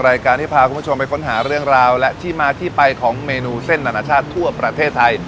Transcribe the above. รายการที่พาคุณผู้ชมไปค้นหาเรื่องราวและที่มาที่ไปของเมนูเส้นนานาชาติทั่วประเทศไทย